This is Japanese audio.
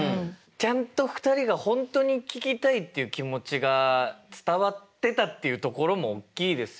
ちゃんと２人が本当に聞きたいっていう気持ちが伝わってたっていうところもおっきいですよね。